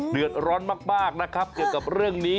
เดือดร้อนมากนะครับเกี่ยวกับเรื่องนี้